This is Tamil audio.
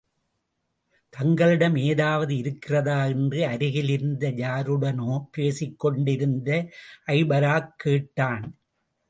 தங்களிடம் ஏதாவது இருக்கிறதா? என்று அருகிலிருந்த யாருடனோ பேசிக் கொண்டிருந்த ஜபாரக் கேட்டான்.